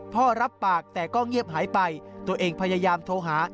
รับปากแต่ก็เงียบหายไปตัวเองพยายามโทรหา